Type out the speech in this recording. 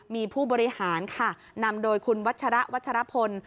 มีผู้บริหารค่ะนำโดยคุณวัชระวัชรพล